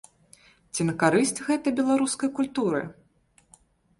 Ці на карысць гэта беларускай культуры?